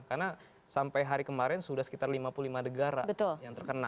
karena sampai hari kemarin sudah sekitar lima puluh lima negara yang terkena